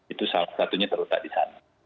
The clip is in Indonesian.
itu salah satunya terletak di sana